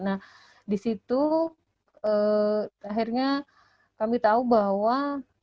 nah di situ akhirnya kami tahu bahwa